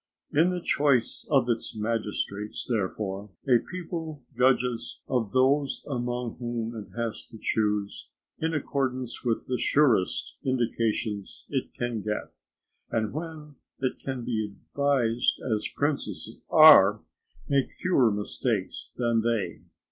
In the choice of its magistrates, therefore, a people judges of those among whom it has to choose, in accordance with the surest indications it can get; and when it can be advised as princes are, makes fewer mistakes than they.